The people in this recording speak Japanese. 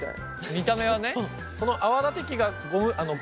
見た目はね。